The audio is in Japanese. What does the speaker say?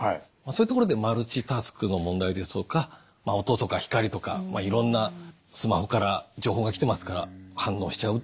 そういうところでマルチタスクの問題ですとか音とか光とかいろんなスマホから情報が来てますから反応しちゃう。